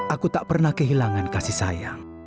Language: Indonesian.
aku tak pernah kehilangan kasih sayang